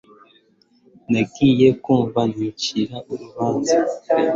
Ntangiye kumva nicira urubanza.